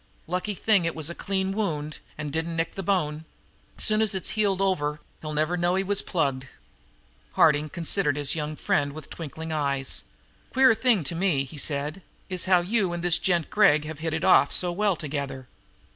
Lucky thing it was a clean wound and didn't nick the bone. Soon as it's healed over he'll never know he was plugged." Harding considered his young friend with twinkling eyes. "Queer thing to me," he said, "is how you and this gent Gregg have hit it off so well together.